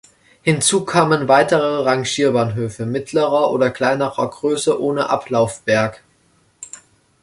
Hinzu kamen weitere Rangierbahnhöfe mittlerer oder kleinerer Größe ohne Ablaufberg.